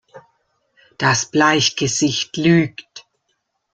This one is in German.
Das Bleichgesicht lügt!